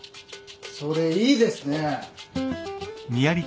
それいいですね。